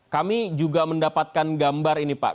kami juga mendapatkan gambar ini pak